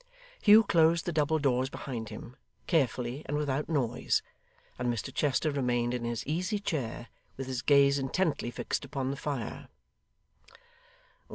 Hugh closed the double doors behind him, carefully and without noise; and Mr Chester remained in his easy chair, with his gaze intently fixed upon the fire.